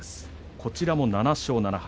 こちらも７勝７敗。